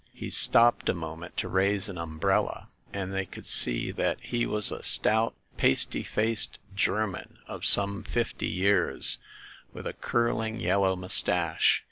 He stopped a moment to raise an umbrella, and they could see that he was a stout pasty faced German of some fifty years, with a curling yellow mustache.